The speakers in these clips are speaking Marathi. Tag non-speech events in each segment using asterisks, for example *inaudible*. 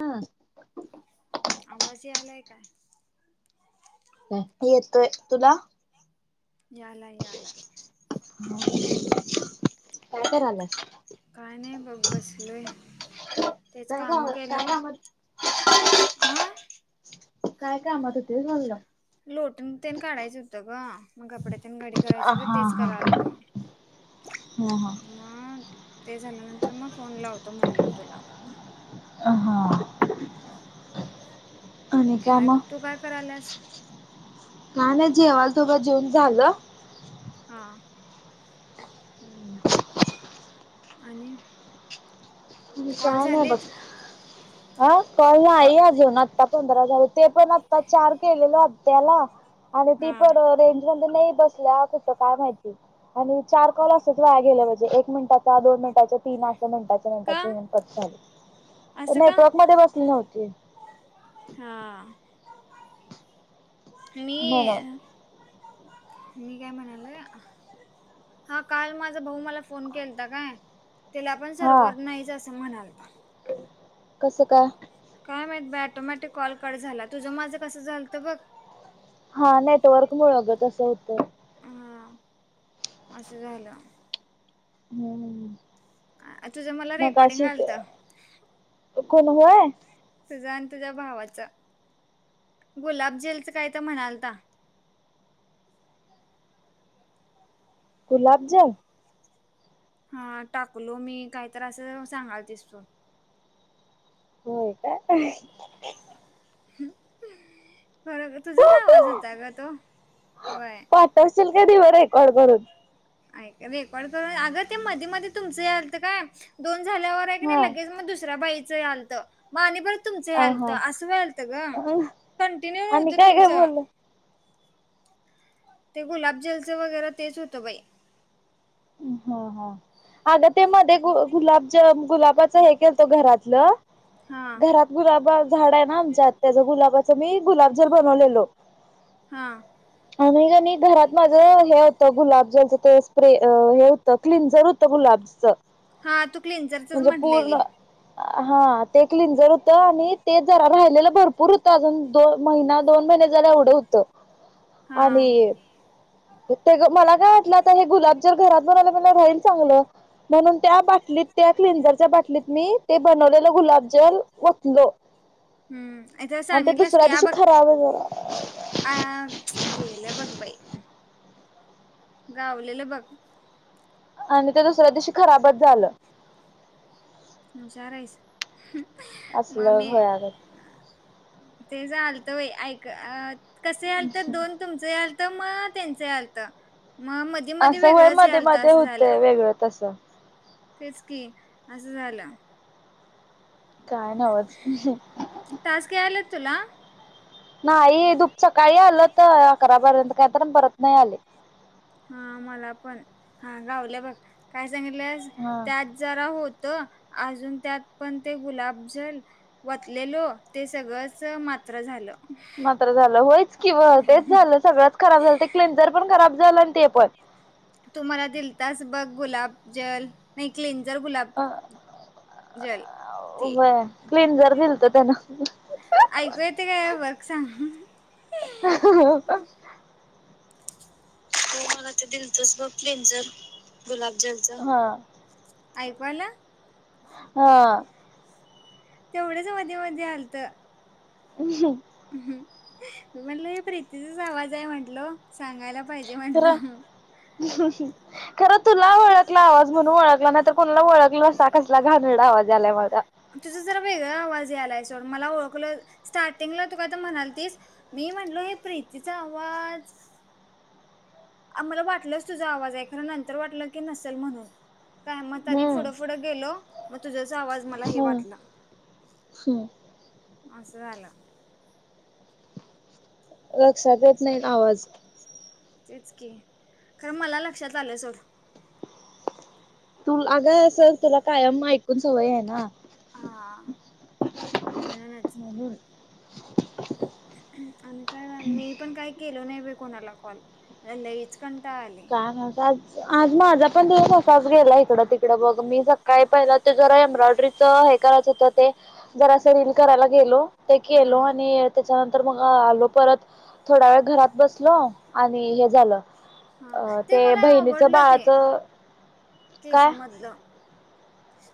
हा आवाजह यायलाय का? हं कि येतोय तुला? याला, याला काय करायलास? काही नाही बघ बसलोय. तेच काय काम केलो, काय कामात आं काय कामात होतीस म्हणलं? लोटअन तेन काढायचं होतं गं मग कपड्यातीन घडी करायच हा होतं हा तेच कराल तो. हा हा मंग ते झाल्यानंतर मं फोन लावतो म्हटलं तुला. हां आणि काय तू काय करायलास नाही नाही जेवाल तो ब जेऊन झालं? हा आणि मी कॉल काय नाय बघ झालेत अं कॉल कॉ नाही अजून, आत्ता पंधरा झाले ते पण आता चार केलेल आ. त्याला आणि ती हा पण रेंज मध्ये नाही बसऽ कसं काय माहिती,, आनि चार कॉल असत्यात, गे एक मिनटं वायाऽ दोन मिनटांच्या तीन अस मिनटांच्या का मिनटाचे असं का नेटवर्क मध्ये बसली नव्हती. हा मी म्हणून मी काय म्हणालोय,,, हा काल माझा भाऊ मला फोन केलता काय त्याला पण हा सर्वर नाहीच असं म्हणालता. कसं काय? काय माहित बाई, आटोमॅटिक कॉल कट झाला,, तुझं माझं कसं झालतं बघ हा, नेटवर्क मुळ ग तसं होतंय. हा असं झालं. हम्म, आ तुझं मला रेकॉर्डिंग मगाशी ते आलतं कोणवय तुझं आणि तुझ्या भावाच,, गुलाबजलचं काय तर म्हणालता. गुलाबजल? हा टाकलो मी काहीतर असं सांगाल तीस बघ. होय काय? खरं गई तुझाच आवाज होता ग तो, वय. ठेवशल का नाही ब रेकॉड करून. ऐ रेकॉर्ड करून, अगं ते मध्ये मध्ये तुमचं यालतं काय, दोन झाल्यावर की नाही हा. लगेच मग दुसऱ्या बाईचं आलतं मग आणी परत तुमचं अ हा यालतं,,, असं व्यालतं ग, कंटिन्यू आणि नव्हतं काय काय तुमचं. बोललो ते गुलाबजलचं वगैरा तेच होतं बाई. हा हा, अग ते मध्ये गु गुलाबज गुलाबाच हे केलतो घरातलं हां घरात गुलाबा झाड आहे ना आमच्यात, त्याच गुलाबाच मी गुलाबजल बनवलेलो. हां. आणि कणी घरात माझ हे होतं, गुलाबजलच ते स्प्रे. अ हे होतं क्लिनझर होत गुलाबच, हां तू क्लिन्झरचंच म्हणजे म्हटलेली पूर्ण हा ते क्लिनजर होतं, आणि ते जरा राहिलेलं भरपूर होतं अजून दो महिना दोन महिने जाईल एवढं होतं. हां आणि, ते मला काय वाटलं आता हे गुलाब जर घरात बनवलय म्हणल्यावर राहील चांगलं. म्हणून त्या बाटलीत त्या क्लिंझरच्या बाटलीत मी ते बनवलेलं गुलाबजल वतलो. ह. हम्म,, आथ सांगितल्यास की अबघ. खराब अं गेलं बघ बाई. गावलेलं बघ. आणि ते दुसऱ्या दिवशी खराबच झालं. हुशार आहेस, असलं मम्मी घोळ्यागत ते झालतं बाई,, कसं यालतं दोन तुम च यालतं मग त्यांच यालतं, म मधी मधी असं वय वेगळंच मध्ये यालतं मध्ये असं होतंय झालं. वेगळं तसं. तेच की असं झालं. काय नवंच टास्क याल्यात तुला? नाही दूप सकाळी आल होत. अकरा बारापर्यंत काही त परत नाही आले. हा मला पण, हा गावल्या बघ. काय सांगितलंयस हा त्यात जरा होत. अजून त्यात पण ते गुलाबजल वतलेलो. ते सगळंच मात्र झालं. मात्र झालं. होयच किं ओ. तेच झालं. सगळंच खराब झालं. ते क्लेंझर पण खराब झालं आणि ते पण. तु मला दिलतास बघ गुलाब जल. नही क्लीनजर गुलाब अ जल ते वय क्लीनझर दिलत त्यान. ऐकू येत का? बघ सांग. *inaudible* हो मला त दिलतच बघ क्लिंजर. गुलाब जलच. हा ऐकू आलं? हा. तेवढंच मधी मधी आलत. *unintelligible* मी म्हटल हे प्रीतीचाच आवाजे म्हंटलो. सांगायला पाहिजे म्हंटलो. खरं *unintelligible* खरं तुला ओळखला आवाज म्हणून ओळखला. नाही तर कोणाला ओळखला असता कसला घाणेरडा आवाज यालाय माझा. तुझ जरा वेगळा आवाज यायलाय सोड. मला ओळखलं स्टार्टिंगला तु काहीतरी म्हणालतीस? मी म्हणलो हे प्रीतीचा आवाज मला वाटलंच तुझा आवाजे खरं. नंतर वाटलं की नसेल म्हणून. काय मग तरी हम्म पुढं पुुढं गेलो. मग तुझंच आवाज मला हे हम्म वाटलं. हम्म अस झालं. लक्षात येत नाही आवाज. तेच कि, खर मला लक्षात आलं सोड. तू अगं सर तुला कायम ऐकून सवये ना. हा म्हणूनच. *inaudible* आणि काय मी पण काही केल नाही बाई कोणाला कॉल. लईच कंटाळा आलाय. आग आज, आज माझा पण दिवस असाच गेला. इकडं ती बघ मी सकाळी पहिलं ते जरा एम्ब्रॉयडरीचं हे करायचं होतं ते जरासं रिन करायला गेलो. ते हा केलो आणि त्याच्यानंतर मग आलो परत. थोडा वेळ घरात बसलो. आणि ते हे झालं. हा, अ ते मला बहिणीचं आवडलं ते. बाळाचं काय केसामधलं.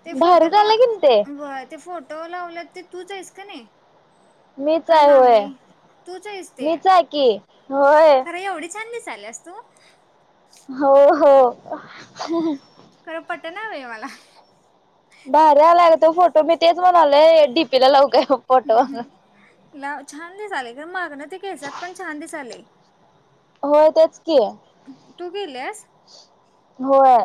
ते फोटो भारी झालं की ते का ते फोटो लावला ते तूचस का नाही? मीच का आहे होय नाही? तूचेस ते. मीच आहे की होय खरं एवढी छान दिसल्यायस तू. हो हो. खरं पटण व्हय मला. भारी आलाय ग तो फोटो. मी तेच म्हणायल डीपीला लवू काय तो फोटो? हम्म. लाव. छान दिसायले ग. मागण ते केसात पण छान दिसायले. होय तेच की. तू गेलेस? होय.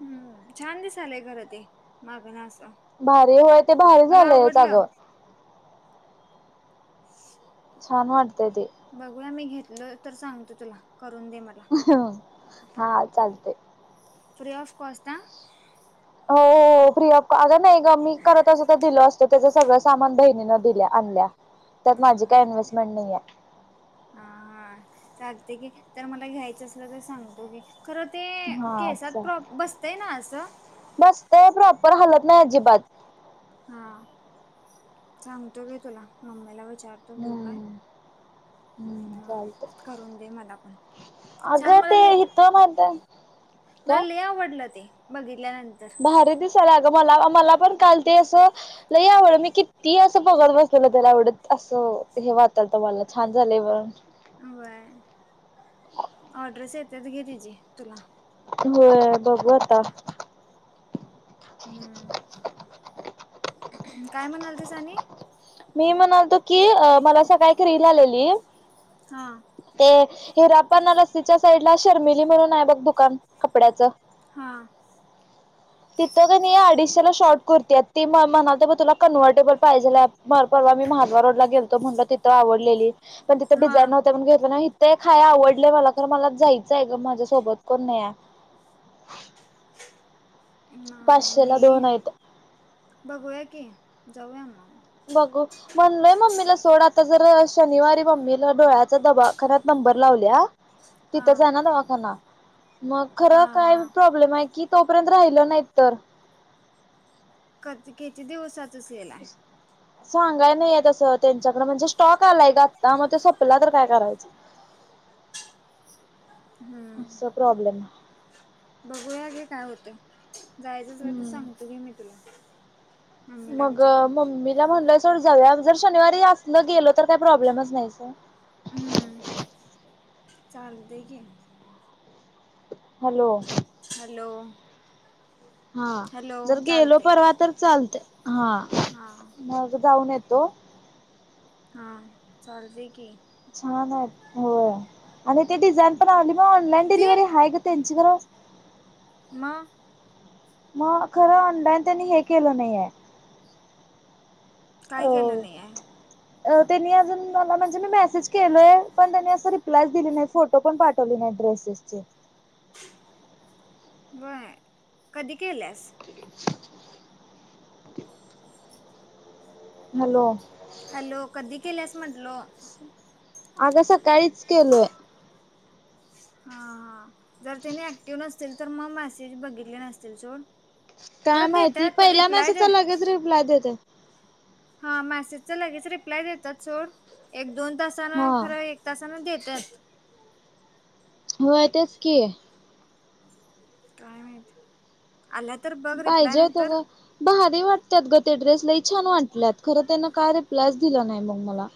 हम्म. छान दिसलंय खरं ते. माग न असं. भारी होय, ते भारी मला झालंयत अगं. आवडलं छान वाटतंय ते. बघूया मी घेतलोय, तर सांगतो तुला करून दे मला. हो, हा चालतय. Free of काॉस्टा? हो, हो फ्री ऑप, अग नाही ग, मी करत असतो तर दिलो असतो. त्येज सगळं सामान बहिणीन दिल्या, आणल्या. त्यात माझी काय इन्व्हेस्टमेंट नहीेया. हा, हा चालतय घे, तर मला घ्यायचं असलं तर सांगतो घे. खरं ते हा केसात चा प्रॉप, बसतंय ना असं? ते प्रॉपर हातल नाही अजीबात. हा, सांगतो घे तुला, मम्मीला विचारतो. घेऊ काय हम्म, हम्म मग चालतय. करून दे मला पण छान अगं मला ते लय हिथं म्हणता. मला लई आवडलं ते बघितल्यानंतर. भारी दिसायला अगं, मला, मला पण काल ते असं लई आवडल मी कि ती असं बघत बसलेलं त्येला, एवढ असं हे वाटलंत मला छान झालंय पण. व्हयं, ऑर्डरेस येत्यात घे तिजी तुला. होय बघू आता. हम्म. काय म्हणालतीस आणि? मी म्हणालतो की, अ, मला सकाळी एक रील आलेली. हा. ते हिरापना लस्सीच्या साईडला, शर्मिली म्हणून आहे बघ दुकान, कपड्याचं. हा. तिथं कणी अडीचशेला शॉर्ट कुर्ती आहेत, ती म्ह, म्हणालतो बघ तुला कन्व्हर्टेबल पाहिजे. परवा मी महादवा रोडला गेलतो म्हटलं तिथं आवडलेली. पण तिथ डिझाईन हा. नव्हत्या म्हूणन घेतल नाहीत. ते हाय एक आवडलय मला, खर मला जायचं आहे ग माझ्यासोबत कोण नाही हाय. हा पाचशेला मी, दोन आहेत. बघूया की जाऊया मग. बघू. म्हणलोय मम्मीला सोड आता जर शनिवारी मम्मीला डोळ्याचा दवाखान्यात नंबर लावलीया. हा तिथंच हाय ना दवाखाना, मग खरं हा काय हा प्रॉब्लेम आहे कि तोपर्यंत राहिलं नाही तर. किती दिवसाातच सेल हाय. सांगाय नाही हाय तसं त्यांच्याकड, म्हणजे स्टॉक आलाय का आत्ता मग ते सपला तर काय करायचं. असं हम्म, प्रॉब्लेम आहे. बघूया घे काय होतय. जायचं असलं तर हम्म सांगतो घे मी तुला. मम्मीला मग विचारून मम्मीला म्हणलंय सोड जाव्या, जर शनिवारी असलं गेलं, तर काही प्रॉब्लेमच नाही सोड. हम्म, चालतंय कि. हॅलो. हॅलो. हा, हॅलो जर गेलो चालते परवा तर चालतय हा. हा. मी आदी जाऊन येतो. हा चालतय की. छान आहेत होय आणि ते डिझाईन पण आवली मग ऑनलाईन ते डिलिव्हरी आहे ग त्यांची गं. म *unintelligible* मग खरं अंडान त्यांनी हे केलं नाहीय. काय कालून अ आहे. *unintelligible* त्यांनी अजून मला म्हणजे मी मेसेज केलोय, पण त्यांनी असं रिप्लाय दिली नाही फोट तो पण पाठवली नाही ड्रेसेस चे. बर कधी केल्यास? *unintelligible* हॅलो. हॅलो कधी केल्यास म्हटलो. अगं सकाळीच केलोय. हा हा जर त्याने ऍक्टिव्ह नसतील तर मग मेसेज बघितले नसतील चोड. खरं देेत तर रिप्लाय ज *unintelligible* ला देत *unintelligible* हा मॅसेजच लगेच रिप्लाय देतात सोड एक दोन तान हा खरं हे. तसाना देतात. हो य तेच की. काय मात आल्या तर बघ रिप्लाय नाही तर बहारी वाटतात ग ते ड्रेसलाही छान वाटल्यात खरं त्यांना काय रिप्लायच दिलं नाही मग मला.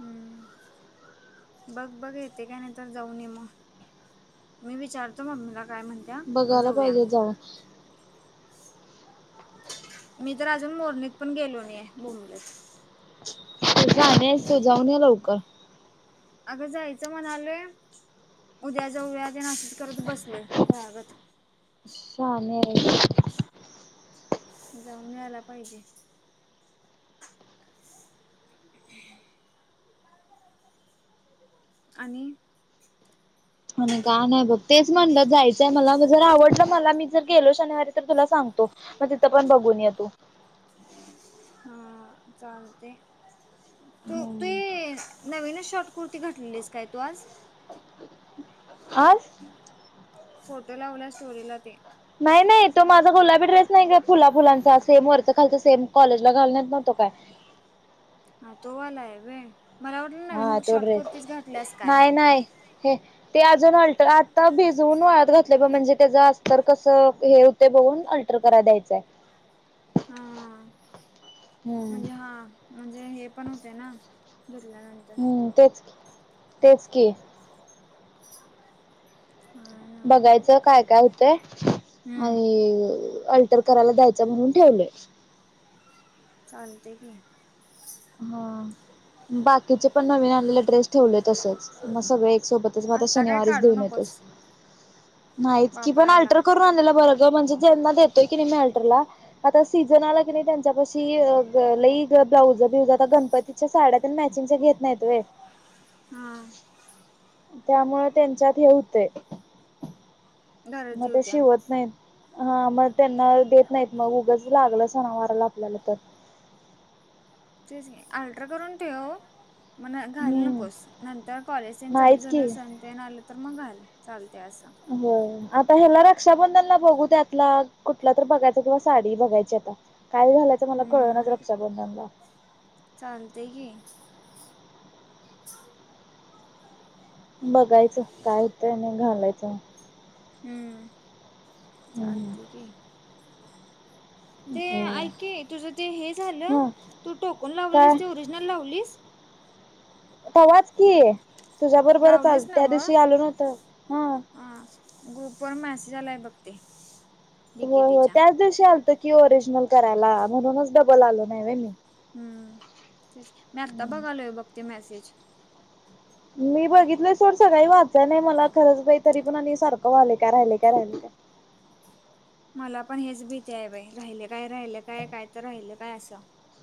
हम्म बघ बघ येते काय नाही तरर जाऊन मग. मी विचारतो ममीला काय म्हणत्या मग जाऊया. जा. *unintelligible* मी तर अजून मोरणीत पण गेलो नाही बूमलीत. तो जाऊन या लवकर *unintelligible* अगं जायचं म्हणालोय उद्या जाऊया ते नाशीत करत बसलोय खळागत. शहाम. *unintelligible* जाऊन न्यायला पाहिजे. *unintelligible* आणि. आणि का नाही बघ तेच म्हणतात जायचं. मला जर आवडलं मला मी जर गेलो शनिवारी तर तुला सांगतो, मग तिथं पण बघून येतो. हा हा चालते. तू तू नवीनच शॉर्ट कुर्ती घातटलेलीस काय तू आज. ह *unintelligible* फोटो लावल्या स्टोरीला ते. नाही नाही तो माझा गुलाबी ड्रेस नाही का फुला फुलांचा सेम वरच खालच सेम कॉलेजला घालण्यात ना तो काय. हा तोवाला आहे वे मला वाटलं नवीन हा तो ड्रेस शॉर्टकुर्तीच घातल्यास काय. नाही नाही. हे ते अजून हलत आता भिजवून वाळत घातले ब म्हणजे त्याचं अस्तर कसं हे. ते बघून अल्टर करा द्यायचंय. हा हम्म म्हणजे हा म्हणजे हे पण होते ना धुरल्यानंतर. हम्म तेच तेच की. हा ना बघायचं काय काय होतंय हम्म आणि अल्टर कराला जायायचं म्हणून ठेवले. चालते की. हां बाकीचे पण नवीन आणलेले ड्रेस ठेवले तसंच,, मग सगळे एक सोबतच आता काय शनिवारीच काढू देऊन येतो नकोस सगळं नाहीच की, पण वापरायला अल्ट्रर कर रून आणलेलं बरं गं म्हणजे ज्यांना देतोय की नाही मी अल्टरला, आता सीझन आला की नाही, त्यांच्या पाशी लई गं ब्लाऊजं बिवजं आता गणपतीच्या साड्या तेन मॅचिंगच्या घेत नाहीत व्हय हा त्यामुळे त्यांच्यात हे हुतंय, मग गरजी ते होत्या शिवत नाहीत. हा मग त्यांना देत नाहीत मग उगंच लागलं सणावारला आपल्याला तर, तेच की अल्ट्रर करून ठेव. मण घालू हम्म नकोस नंतर कॉलेज तेन चालू नाहीच झालं, की सण तेन आलं तर मग घाल चालतंय असं. होय आता ह्याला रक्षाबंधनला बघू त्यातला कुठला तर बघायचा किंवा साडी बघायची आता. काय घालायचं मला कळनाच रक्षाबंधनला. चालतंय की,, बघायचं काय हुतं आणि एक घालायचं. हूं.. हम्म चालतंय की, ते होय ऐक की, तुझं ते हे झालं हा तू टोकन काय लावलेलीस ते ओरिजनल लावलीस?. तवाच की, तुझ्या बरोबरच आलतो लावलीस त्या नव्ह दिवशी आलो नव्हतो, हां हां हा ग्रुप वर मेसेज आलाय बघ ते, होय, होय डीकेटीच्या त्याच दिवशी आलतो की ओरिजिनल करायला म्हणूनच डबल आलो नाही व्हय मी, हं... तेच मी आत्ता बघालोय बघ ते मेसेज. मी बघितलंय सोड सगळी वाचाय नाही मला खरंच बई तरी पण आणि सारखं व्हालय काय राहिलयं, काय राहिलंय काय. मला पण हेच भीती आहे बाई, राहिले काय, राहिले काय, काय तर राहिलं काय असं.